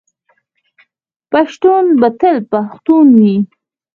پښتون به تل پښتون وي.